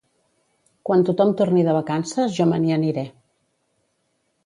Quan tothom torni de vacances jo me n'hi aniré